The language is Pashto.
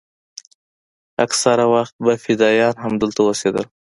اکثره وخت به فدايان همدلته اوسېدل.